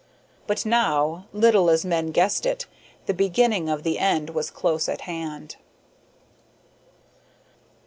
But now, little as men guessed it, the beginning of the end was close at hand.